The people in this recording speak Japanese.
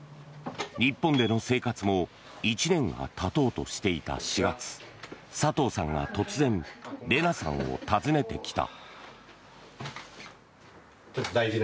日本での生活も１年がたとうとしていた４月佐藤さんが突然レナさんを訪ねてきた。